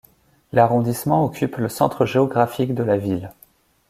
L'arrondissement occupe le centre géographique de la ville.